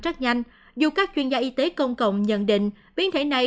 rất nhanh dù các chuyên gia y tế công cộng nhận định biến thể này